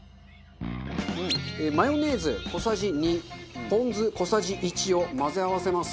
マヨネーズ小さじ２ポン酢小さじ１を混ぜ合わせます。